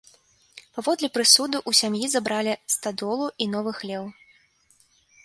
Паводле прысуду ў сям'і забралі стадолу і новы хлеў.